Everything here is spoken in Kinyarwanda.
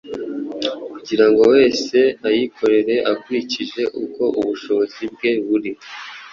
kugira ngo buri wese ayikorere akurikije uko ubushobozi bwe buri.